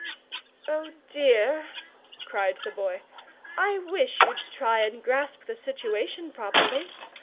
"Oh, dear!" cried the boy, "I wish you'd try and grasp the situation properly.